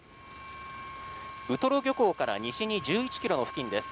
ウトロ漁港から西に１１ｋｍの付近です。